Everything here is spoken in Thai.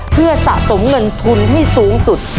เพื่อสะสมเงินทุนให้สูงสุด